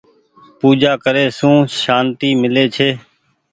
پوجآ ڪري سون سانتي ميلي ڇي۔